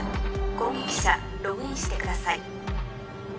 攻撃者ログインしてください。